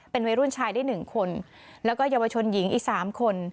เป็นวัยรุ่นชายได้๑คนแล้วก็เยาวชนหญิงอีก๓คน